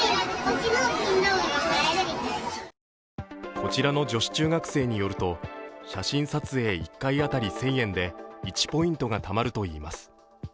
こちらの女子中学生によると写真撮影１回当たり１０００円で１ポイントがたまるといいます。